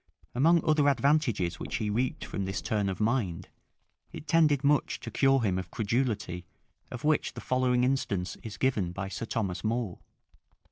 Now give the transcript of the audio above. Among other advantages which he reaped from this turn of mind, it tended much to cure him of credulity of which the following instance is given by Sir Thomas More.